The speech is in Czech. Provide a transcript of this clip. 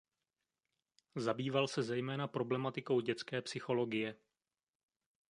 Zabýval se zejména problematikou dětské psychologie.